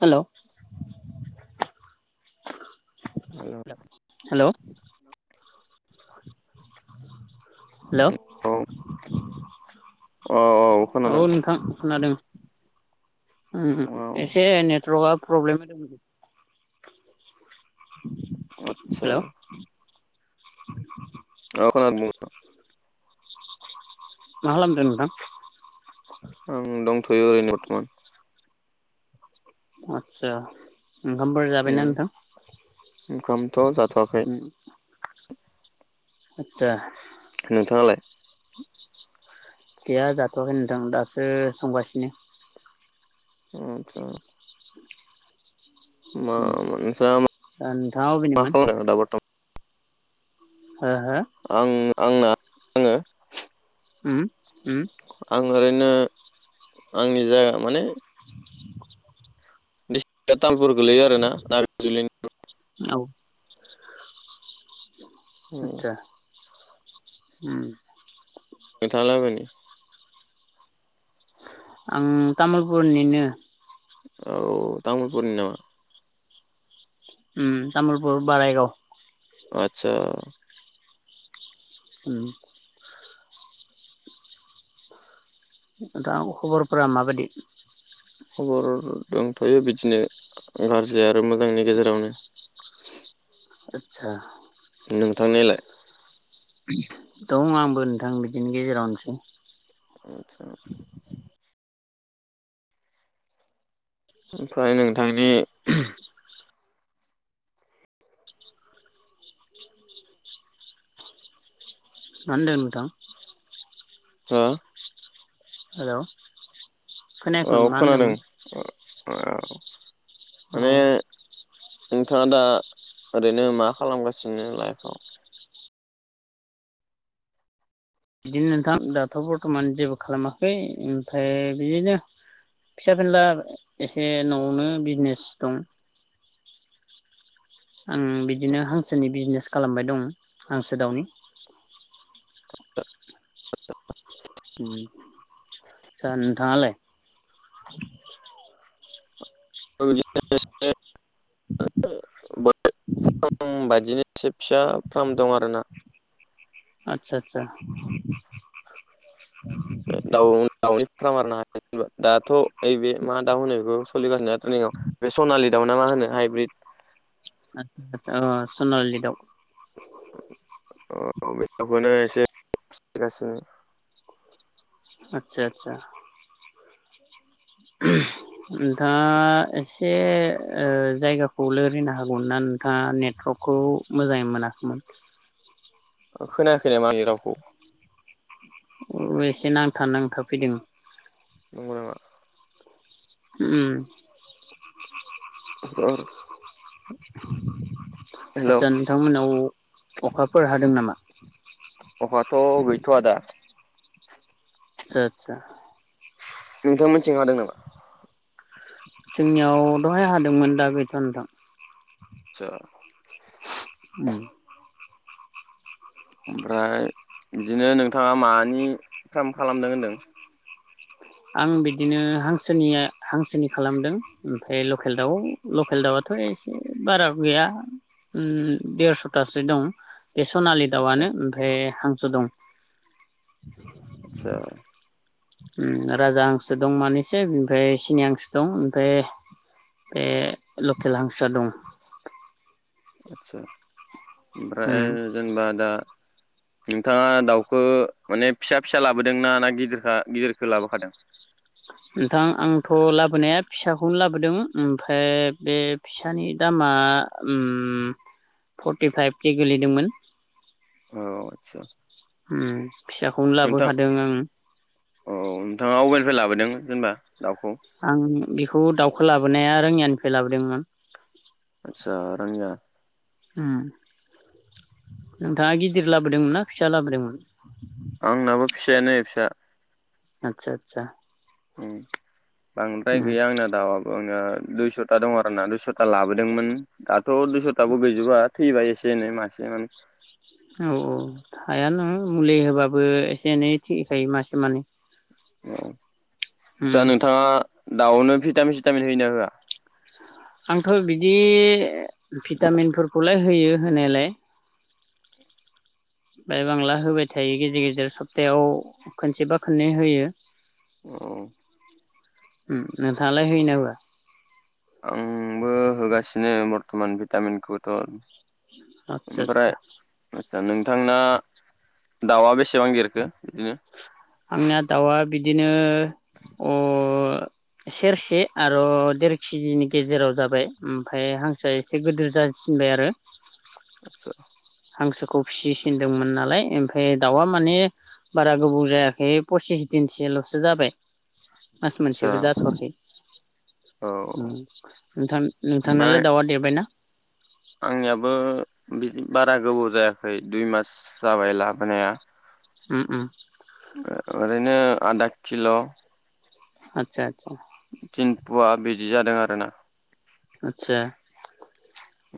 हेल' हेल' हेल' हेल' औ औ खोनादों औ नोंथां खोनादों। ओम औ एसे नेटवर्कआ प्रब्लेम होदोंमोन। आदसा हेल' अ खोनादों नोंथां। मा खालामदों नोंथां? आं दंथ'यो ओरैनो बरथमान। आतसा। ओम ओंखामथ' जाथ'वाखै। आतसा। नोंथाङालाय? गैया जाथ'वाखै नोंथां दासो संगासिनो। आतसा। उम दा नोंथाङा अबेनिमोन [unintelligible] हो हो आं आंना आङो उम उम आं ओरैनो आंनि जायगा माने डिस्ट्रिक्टआ तामुलपुर। गोलैयो आरोना नाग्रिजुलिनि। औ आचसा। उम नोंथाङालाय अबेनि? आं तामुलपुरनिनो। औ तामुलपुरनि नामा? उम तामुलपुर बाराइगाव। आतसा। उम दा खबरफोरा माबायदि? खबर दंथ'यो बिदिनो गाज्रि आरो आरो मोजांनि गेजेरावनो। आतसा। नोंथांनिलाय दं आंबो नोंथां बिदिनि गेजेरावनोसै आतसा ओमफ्राय नोंथांदि मा होनदों नोंथां ओ हेल' खोनायाखैमोन औ मा खोनादों होनदोंमोन औ औ नोंथाङा दा ओरैनो मा खालामगासिनो लाइफआव बिदिनो नोंथां दाथ' बर्थ'मान जेबो खालामाखै ओमफ्राय बिदिनो फिसा फेनला एसे न'आवनो बिजनेस दं आं बिदिनो हांसोनि बिजनेस खालामबाय दं हांसो दाउनि [inaudible] उम दा नोंथांङालाय बिदिनो [unintelligible] बायदिनोफिसा फार्म दं आरोना आतसा आतसा दाउ दाउनि फ्राम आरो ना‌ [unintelligible] दाथ' नै ओ बे मा दाउ होनो बेखौ सोलिगासिनो बे सनालि दआव ना मा होनो हाइब्रिद ओ सनालि दाव बेखौनो एसे गासिनो आतसा आतसा नोंथाङा एसे ओ जायगाखौ लोरिनो हागौमोनना नोंथाङा नेटवर्कखौ मोजाङै मोनाखैमोन खोनायाखै नामा आंनि रावखौ अ एसे नांथा नांथा फैदों नंगौ नामा उम [unintelligible] [inaudible] हेल' आदसा नोंथांमोनाव अखाफोर हादों नामा अखाथ' गैथ'आ दा आतसा आतसा नोंथांमोन थिं हादों नामा जोंनियाव दहाय हादोंमोन दा गैया नोंथां आतसा उम ओमफ्राय बिदिनो नोंथांङा मानि फ्राम खालामदों होन्दों आं बिदिनो हांसोनिया हांसोनि खालामदों ओमफ्राय लकेल दाउआव लकेल दाउआथ' एसे बारा गैया उम देरस'थासो दं बे सनालि आदसा दाउआनो ओमफ्राय हां सो दं आतसा ओम राजा हांसो दं मानैसो बेनिफ्राय सिनि हांसो दं ओमफ्राय ओ बे लकेल हांसोआ दं आतसा उम ओमफ्राय जेनेबा दा नोंथाङा दाउखौ माने फिसा फिसा लाबोदों ना ना गिदिरखा गिदिरखौ लाबोखादों नोंथां आंथ' लाबोनाया फिसाखौनो लाबोदों ओमफ्राय बे फिसानि दामा ओम फर्टिफाइभ के गोलैदोंमोन औ आतसा उम फिसाखौनो नोंथां लाबोखादों आं औ नोंथाङा अबेनिफ्राय लाबोदोंमोन जेनबा दाउखौ आं बेखौ दाउखौ लाबोनाया रोङियानिफ्राय लाबोदोंमोन आतसा रंयिया उम नोंथाङा गिदिर लाबोदोंमोन ना फिसा लाबोदोंमोन आंनाबो फिसायानो फिसा आतसा आतसा ओं बांद्राय गैया आंना दाउआबो ओ दुइस'था दं आरोना दुइस'था लाबोदोंमोन गाथ थ' दुइस'थाबो गैजोबा थैबाय एसे जेने मासे मानै औ औ थाया नो मुलि होबाबो एसे एनै थैखायो मासे मानै औ उम आतसा नोंथाङा दाउनो भिटामिन सिटामिन होयोना होआ आंथ' बिदि भिटामिन फोरखौलाय होयो होनायालाय बाय बांला होबाय थायो गेजेर गेजेर सप्तायाव खनसेबा खननै होयो औ उम नोंथांआलाय हैयोना होआ आंबो होगासिनो बर्थमान भिटामिनखौथ' आतसा आतसा आतसा नोंथांना दाउआ बेसेबां देरखो बिदिनो आंना दाउआ बिदिनो अ सेरसे आरो देर केजिनि गेजेराव जाबाय ओमफाय हांसोआ एसे गिदिर जासिनबाय आरो आदसा हांसोखौ फिसिसिनदोंमोन नालाय ओमफ्राय दाउआ माने बारा गोबाव जायाखै पसिस दिनसल'सो जाबाय मास आदसा मोनसेबो जाथ'वाखै औ उम नोंथां ओमफ्राय नोंथांनालाय दाउआ देरबायना आंनियाबो बिदि बारा गोबाव जायाखै दुइ मास जाबाय लाबोनाया उम ओम ओरैनो आदा किल' आतसा आतसा तिनम्पुआ बिजि जादों आरोना आतसा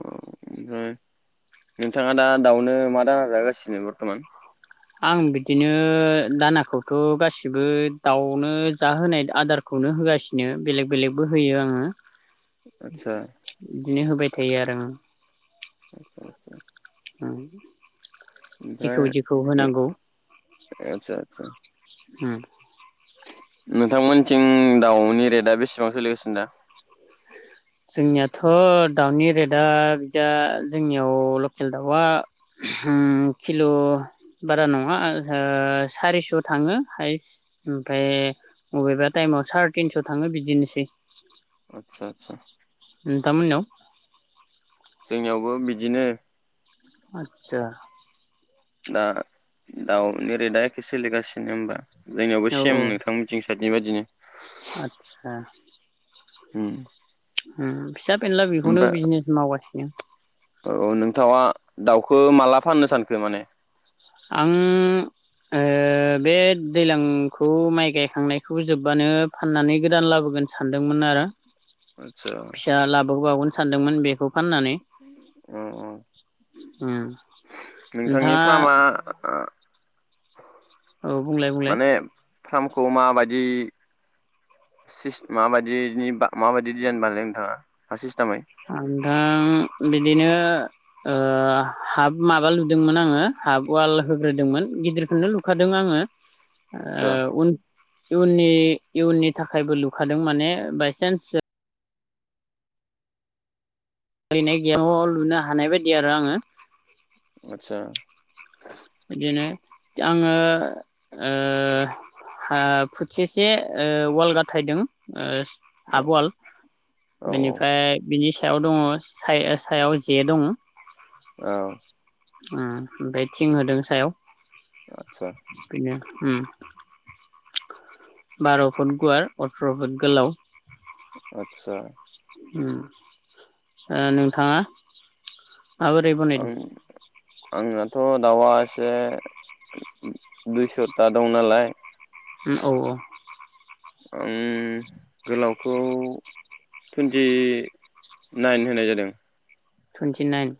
ओम नोंथाङा दा दाउनो मा दाना जाहोगासिनो बर्थ'मान? आं बिदिनो दानाखौथ' गासिबो दाउनो जाहोनाय आदारखौनो होगासिनो बेलेग बेलेगबो होयो आङो आदसा बिदिनो होबाय होयो आरो ओ। आतसा आस्सा [unintelligible] उम। ओमफ्राय, जेखौ जेखौ होनांगौ आचसा आचसा। होम। नोंथांमोनथिं दाउनि रेटआ बेसेबां सोलिगासिनो दा? जोंनियाथ', दाउनि रेटआ बिदिया जोंनियाव लकेल दाउआ होम किल' बारा नङा। ओ सारिस' थाङो हायस्ट ओमफ्राय बबेबा टाइमाव साराय तिनस' थाङो, बिदिनोसै आतसा आतसा। दामोनायाव जोंनियावबो बिदिनो। आतसा। दा दाउ नि रेदा एखे सोलिगासिनो होम्बा? जोंनियावबो सेम नोंथां मोनथिं सटनि बादिनो। आचसा। उम। उम। फिसा फेनला बेखौनो ओमफ्राय बिजनेस मावबाय बि [unintelligible] औ नोंथाङा दाउखौ माला फाननो सानखो माने? आं ओ। बे दैलांखौ माइ गायखांनायखौ जोब्बानो फाननानै गोदान लाबोगोन सानदोंमोन आरो। आदसा फिसा लाबोबावगोन। सानदोंमोन बेखौ। फाननानै अ अ उम नोंथांनि नोंथाङा फार्मआ औ बुंलाय बुंलाय। माने फार्मखौ माबायदि माबायदिनि माबायदि डिजाइन बानायो नोंथाङा मा सिस्टेमै? आं दा बिदिनो ओ हाफ माबा लुदोंमोन आङो, हाफ वाल होग्रोदोंमोन गिदिरखौनो लुखादों आङो। ओ आदसा उन इयुननि इयुननि थाखायबो लुखादों माने, बायसेन्स ओरैनो गेयाव लुनो हानाय बायदि आरो आङो। आतसा। बिदिनो आङो ओ हा फुथिसे ओ, वाल गाथायदों ओ औ हाबवाल औ बेनिफ्राय बिनि सायाव दङ सायाव जे दङ। औ। ओ बेद थिं होदों सायाव। आतसा। बिनो उम बार' फुट गुवार अथ्र' फुट गोलाव। आतसा उम ओ नोंथाङा माबोरै बनायो आं आंनाथ' दाउआ एसे दुइस'था दं नालाय औ औ आं गोलावखौ टुइन्टि नाइन होनाय जादों। टुवन्टि नाइन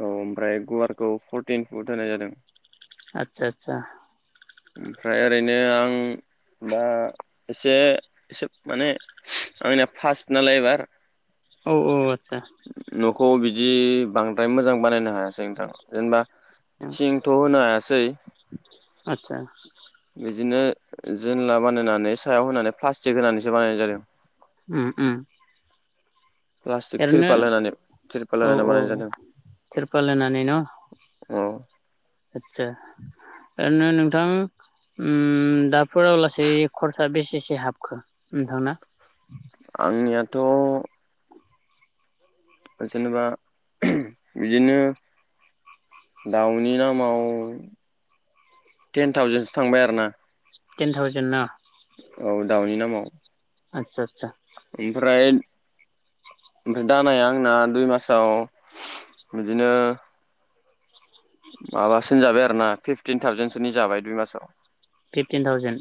औ ओमफ्राय गुवारखौ फरटिन फुट होनाय जादों आचसा आतसा ओमफ्राय ओरैनो आं दा एसे माने आंनिया फार्स्ट नालाय एबार औ औ आतसा खौ बिदि बांद्राय मोजां बानायनो हायासै नोंथाङा जेनेबा थिंथ' होनो हायासै दैै आतसा बिदिनो जोनला बानायनानै सायाव होनानै प्लास्टिक होनानैसो बानायनाय जादों। होम ओ प्लास्टिक तिरपाल होनानै तिरपाल औ होनानै औ बानायानाय जादों तिरपाल होनानै न' औ आदसा ओरैनो नोंथां उम दाफोरलासे खरसा बेसेसो हाबखो नोंथांना? आंनियाथ' जेनेबा बिदिनो दाउनि नामाव टेन थावजेनसो थांबाय आरोना टेन थावजेन ना औ दाउनि नामाव आतसा आतसा ओमफ्राय ओमफ्राय दानाया आंना दुइ मासाव बिदिनो माबासो जाबाय आरोना फिफ्टिन थावजेनसोनि जाबाय बे मासाव फिफटिन थउजेनड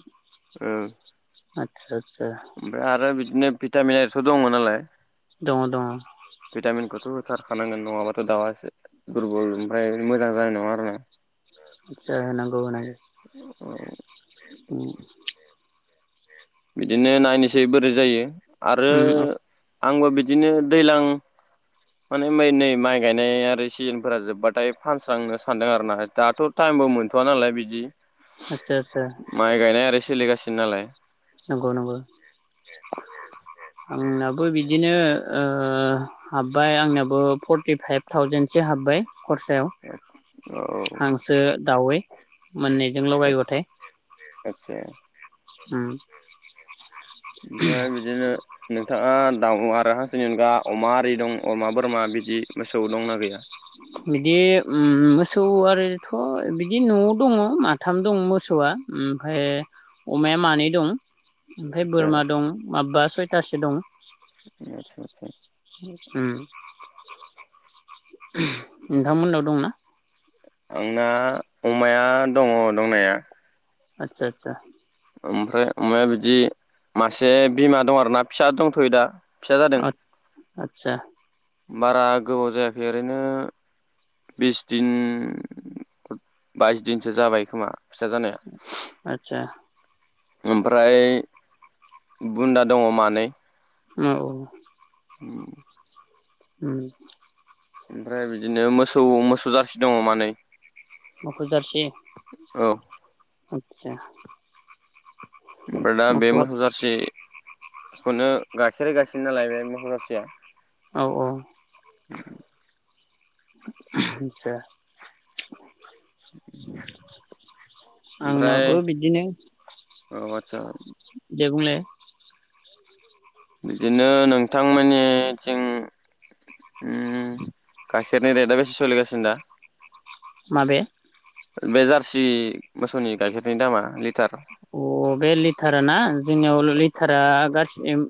आतसा ओफ्राय आरो बि बिदिनो भिटामिन आरथ' दंमोन नालाय दङ दङ भिटामिनखौथ' होथारखानांगोन नङाबाथ' दाउआ एसे दुरबल ओमफ्राय मोजां जानाय नङा आरोना आतसा होनांगौ होनांगौ औ उम बिदिनो नायनोसै बोरै जायो आरो उम आंबो बिदिनो दैज्लां। माने मै नै माइ गायनाय आरो सिजोनफोरा जोब्बाथाय फानस्रांनो सानदों आर ना दाथ' टाइमबो मोनथ'व नालाय बिदि आदसा आदसा माइ गायनाय आरो सोलिगासिनो नालाय‌ नंगौ नंगौ आंनाबो बिदिनो हाबबाय आंना खरसायाव औ आदसा उ ओमफ्राय बिदिनो। नोंथाङा दाउ आरो हांसोनि अनगा अमा आरि दं अमा बोरमा बिदि मोसौ दंना गैया! बिदि मोसौ ओम ओमफ्राय आदसा बोरमा दं माबबा सय खासि दं। [unintelligible] नोंथांमोननाव दंना आंना अमाया दङ दंनाया आतसा आतसा ओमफ्राय ओमाया बिदि मासे बिमा दं आरोना फिसा दंथ' दा फिसा जादों आचचसा बारा गोबाव जायाखै ओरैनो बिस दिन सो जानाय। आदसा ओमफ्राय बुन्दा दङ मानै औ औ [unintelligible] उ ओमफ्राय बिदिनो मोसौ मोसौ जारसि दङ मानैै मखजारसे [unintelligible] ओमफ्राय दा बे मोसौ जारसि [unintelligible] औ औ ओमफ्राय [unintelligible] [unintelligible] औ दे बुंलाय। बिदिनो नोंथां। माबे बे जारसि मोसौनि गाइखेरनि दामा लि अ बे लिटार ना जोंनियाव लिटारा गाससि